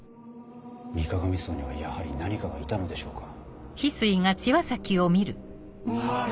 水鏡荘にはやはり何かがいたのでしょうか。